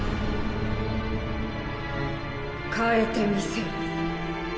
変えてみせる。